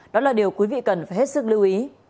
đó là điều quý vị cần phải hết sức lưu ý